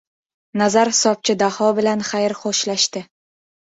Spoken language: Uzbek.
Nazar hisobchi Daho bilan xayr-xo‘shlashdi.